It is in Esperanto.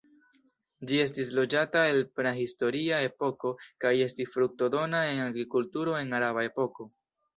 Ĝi estis loĝata el prahistoria epoko kaj estis fruktodona en agrikulturo en araba epoko.